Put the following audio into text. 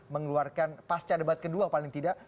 mengeluarkan pasca debat kedua paling tidak